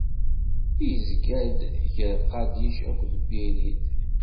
izga-d gar Qadic akked Birid.